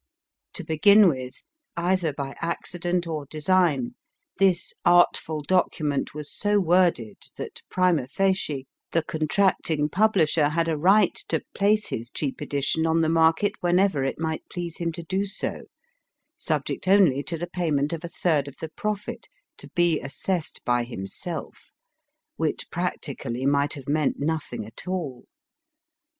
To begin with, either by accident or design, this artful document was so worded that, primd facie, the con tracting publisher had a right to place his cheap edition on the market whenever it might please him to do so, subject only to the payment of a third of the profit, to be assessed by himself, which practically might have meant nothing at all.